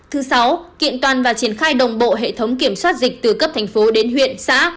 thứ sáu kiện toàn và triển khai đồng bộ hệ thống kiểm soát dịch từ cấp thành phố đến huyện xã